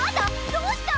どうした！？